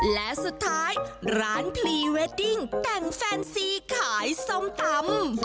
และสุดท้ายร้านพรีเวดดิ้งแต่งแฟนซีขายส้มตำ